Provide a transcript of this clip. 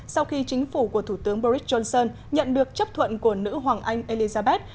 sau khi chính phủ của thủ tướng boris johnson nhận được chấp thuận của nữ hoàng anh elizabeth